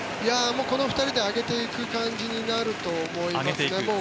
この２人で上げていくと思いますね。